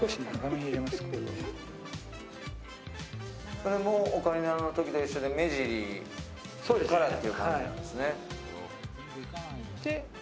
それもオカリナのときと一緒で目尻から入れるんですね。